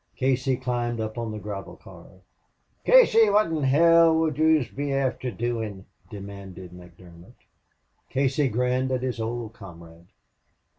Casey climbed up on the gravel car. "Casey, wot in hell would yez be afther doin'?" demanded McDermott. Casey grinned at his old comrade.